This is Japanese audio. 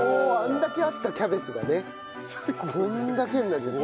こんだけになっちゃった。